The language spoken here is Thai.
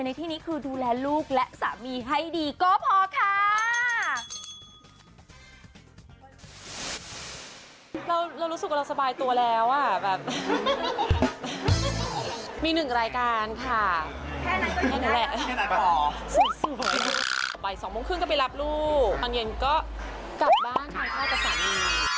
อันนี้คือชีวิตเราจริงแล้วเป็นแบบนี้